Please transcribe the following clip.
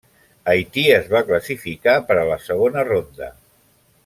Haití es va classificar per a la segona ronda.